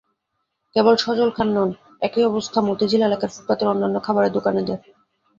কেবল সজল খান নন, একই অবস্থা মতিঝিল এলাকায় ফুটপাতের অন্যান্য খাবারের দোকানিদের।